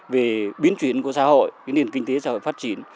về biến chuyển của xã hội nền kinh tế xã hội phát triển